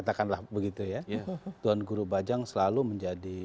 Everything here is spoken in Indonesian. tuan guru bajang selalu menjadi